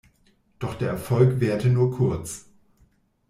Doch der Erfolg währte nur kurz.